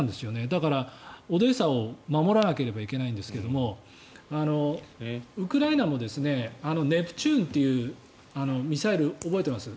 だから、オデーサを守らなければいけないんですがウクライナもネプチューンというミサイル覚えてます？